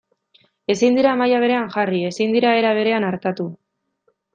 Ezin dira maila berean jarri, ezin dira era berean artatu.